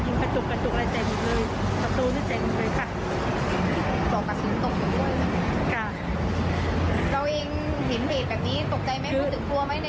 ตกใจมากเพราะว่าติดกับที่ทำงานพี่